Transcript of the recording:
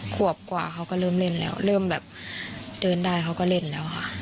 ขวบกว่าเขาก็เริ่มเล่นแล้วเริ่มแบบเดินได้เขาก็เล่นแล้วค่ะ